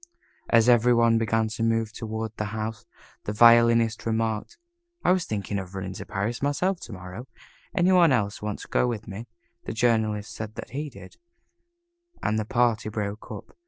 As every one began to move toward the house, the Violinist remarked, "I was thinking of running up to Paris myself to morrow. Any one else want to go with me?" The Journalist said that he did, and the party broke up.